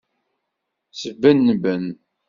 Sbenben.